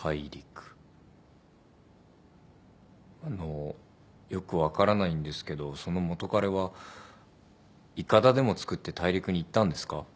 あのよく分からないんですけどその元カレはいかだでも作って大陸に行ったんですか？